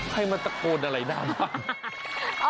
ใครมันตะโกนอะไรน่ะน่ะ